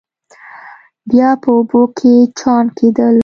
بیا په اوبو کې چاڼ کېدل.